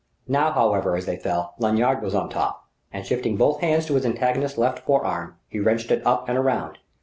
Now, however, as they fell, Lanyard was on top: and shifting both hands to his antagonist's left forearm, he wrenched it up and around.